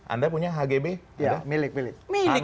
anda punya hgb ya milik milik